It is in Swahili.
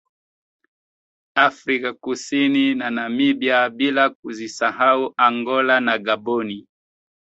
Afrika Kusini na Namibia bila kuzisahau Angola na Gaboni